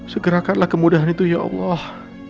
segerakanlah kemudahan itu ya allah